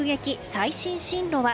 最新進路は。